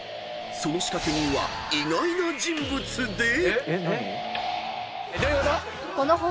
［その仕掛け人は意外な人物で］